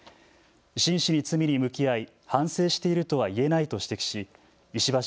真摯に罪に向き合い反省しているとはいえないと指摘し石橋